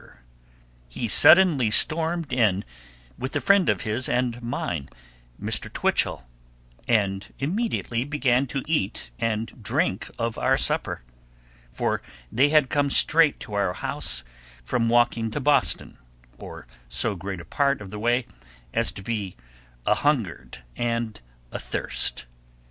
One night, while we were giving a party, he suddenly stormed in with a friend of his and mine, Mr. Twichell, and immediately began to eat and drink of our supper, for they had come straight to our house from walking to Boston, or so great a part of the way as to be a hungered and a thirst.